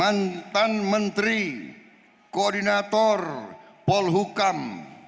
mantan mentri koordinator paul hukam